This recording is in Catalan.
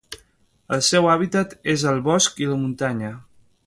El seu hàbitat és el bosc i la muntanya.